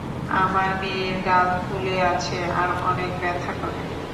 আমার মেয়ের গাল ফুলে আছে আর অনেক ব্যথা করে।